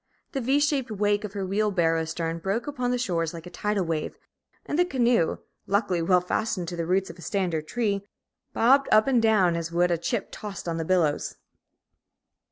The V shaped wake of her wheelbarrow stern broke upon the shores like a tidal wave, and the canoe, luckily well fastened to the roots of a stranded tree, bobbed up and down as would a chip tossed on the billows.